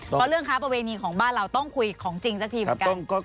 เพราะเรื่องค้าประเวณีของบ้านเราต้องคุยของจริงสักทีเหมือนกัน